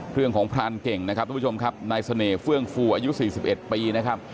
เรื่องของพรานเก่งนายสนีร์เฟืองฟูอายุ๔๑ปี